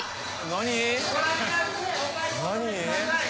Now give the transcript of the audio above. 何？